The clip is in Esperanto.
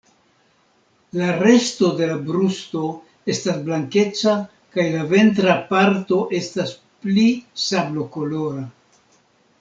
La resto de la brusto estas blankeca kaj la ventra parto estas pli sablokolora.